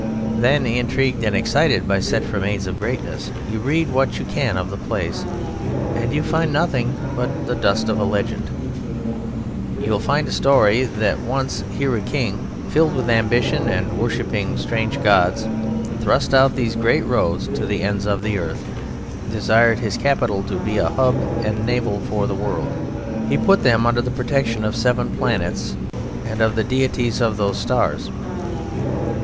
Then, intrigued and excited by such remains of greatness, you read what you can of the place.... And you find nothing but a dust of legend. You find a story that once here a king, filled with ambition and worshipping strange gods, thrust out these great roads to the ends of the earth; desired his capital to be a hub and navel for the world. He put them under the protection of the seven planets and of the deities of those stars.